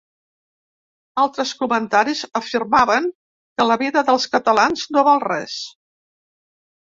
Altres comentaris afirmaven que la vida dels catalans no val res.